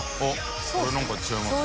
何か違いますね。